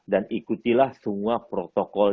dan ikutilah semua protokol